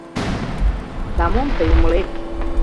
Да мом тый умылет!»